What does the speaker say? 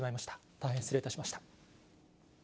大変失礼いたしました。